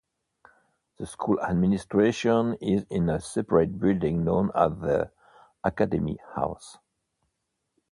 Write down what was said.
The school administration is in a separate building known as the Academy House.